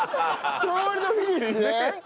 コールドフィニッシュね。